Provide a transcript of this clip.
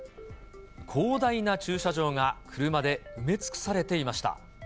広大な駐車場が、車で埋め尽くされていました。